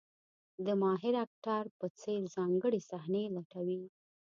د ماهر اکټر په څېر ځانګړې صحنې لټوي.